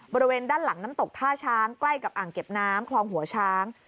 บริเวณด้านหลังน้ำตกท่าช้างใกล้กับอ่างเก็บน้ำคลองหัวช้าง